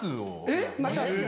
えっ？